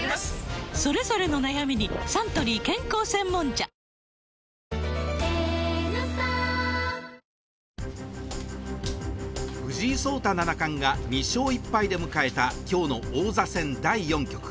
それぞれの悩みにサントリー健康専門茶藤井聡太七冠が２勝１敗で迎えた今日の王座戦第４局。